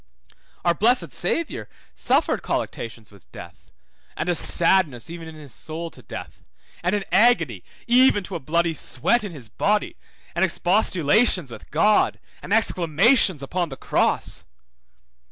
Our blessed Saviour suffered colluctations with death, and a sadness even in his soul to death, and an agony even to a bloody sweat in his body, and expostulations with God, and exclamations upon the cross.